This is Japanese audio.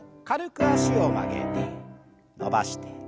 軽く脚を曲げて伸ばして。